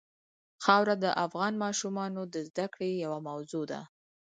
خاوره د افغان ماشومانو د زده کړې یوه موضوع ده.